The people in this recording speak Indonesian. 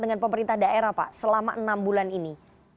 dengan pemerintah daerah pak selama enam bulan ini